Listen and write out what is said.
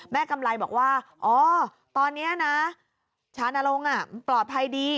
กำไรบอกว่าอ๋อตอนนี้นะชานลงปลอดภัยดี